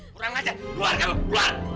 kurang ajar keluar kamu keluar